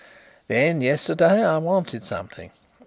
Then, yesterday, I wanted something.